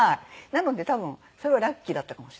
なので多分それはラッキーだったかもしれない。